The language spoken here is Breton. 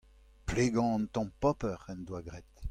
plegañ an tamm paper en doa graet.